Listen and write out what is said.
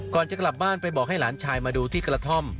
จะกลับบ้านไปบอกให้หลานชายมาดูที่กระท่อม